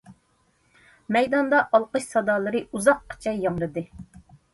مەيداندا ئالقىش سادالىرى ئۇزاققىچە ياڭرىدى.